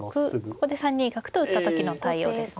ここで３二角と打った時の対応ですね。